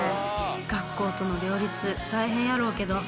学校との両立大変やろうけどガンバレー！！